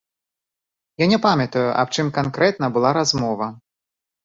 Я не памятаю, аб чым канкрэтным была размова.